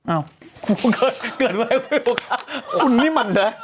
อ้าวเกิดไว้ไม่รู้ค่ะคุณนี่มันน่ะ